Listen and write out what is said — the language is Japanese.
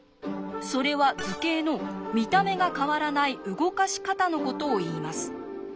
それは図形の「見た目が変わらない動かし方」のことをいいます。